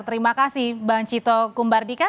terima kasih bang cito kumbardika